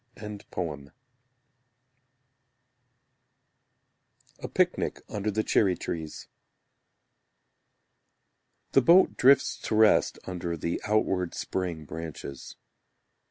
A Picnic Under the Cherry Trees The boat drifts to rest Under the outward spraying branches.